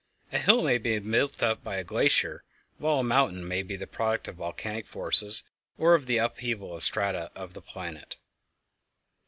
A hill may have been built up by a glacier, while a mountain may be the product of volcanic forces or of the upheaval of the strata of the planet.